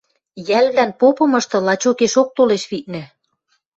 Йӓлвлӓн попымышты лачокешок толеш, виднӹ.